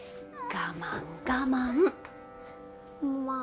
我慢我慢。